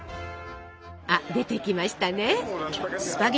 あっ出てきましたね。